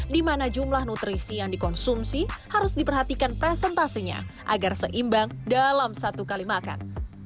di mana jumlah nutrisi yang dikonsumsi harus diperhatikan presentasinya agar seimbang dalam satu kali makan